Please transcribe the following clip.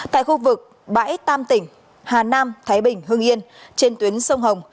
tại khu vực bãi tam tỉnh hà nam thái bình hưng yên trên tuyến sông hồng